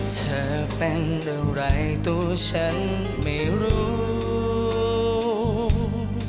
เธอเป็นอะไรตัวฉันไม่รู้